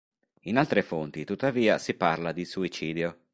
In altre fonti tuttavia si parla di suicidio.